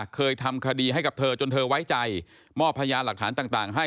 เคยทำคดีให้กับเธอจนเธอไว้ใจมอบพยานหลักฐานต่างให้